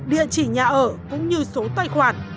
địa chỉ nhà ở cũng như số tài khoản